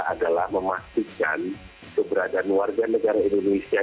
adalah memastikan keberadaan warga negara indonesia